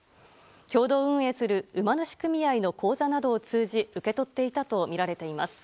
共同運営する馬主組合の口座などを通じ受け取っていたとみられています。